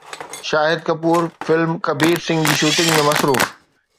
شاهد Kapoor film ”Kabir Singh“ جي shooting ۾ مصروف